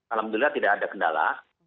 alhamdulillah tidak ada kendala